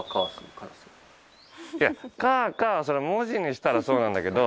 いや「カーカー」は文字にしたらそうなんだけど。